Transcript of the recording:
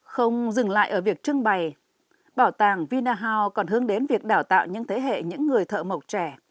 không dừng lại ở việc trưng bày bảo tàng vinahow còn hướng đến việc đào tạo những thế hệ những người thợ mộc trẻ